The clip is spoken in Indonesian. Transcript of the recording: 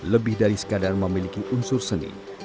lebih dari sekadar memiliki unsur seni